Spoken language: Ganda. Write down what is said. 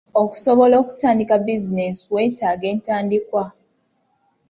Okusobola okutandika bizinensi weetaaga entandikwa.